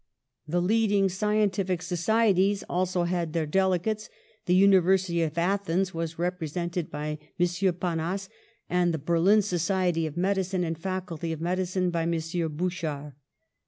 The leading scientific soci eties also had their delegates; the University of Athens was represented by M. Panas, and the Berlin Society of Medicine and Fac ulty of Medicine by M. Bouchard.